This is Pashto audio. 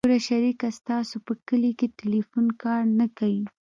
ګوره شريکه ستاسو په کلي کښې ټېلفون کار نه کيي.